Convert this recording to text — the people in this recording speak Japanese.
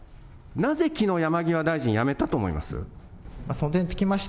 なぜきのう、山際大臣、辞めたと思います？